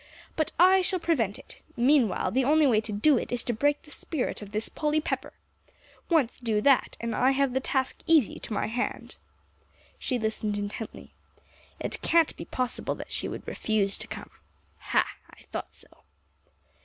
But I shall prevent it. Meanwhile, the only way to do it is to break the spirit of this Polly Pepper. Once do that, and I have the task easy to my hand." She listened intently. "It can't be possible she would refuse to come. Ha! I thought so."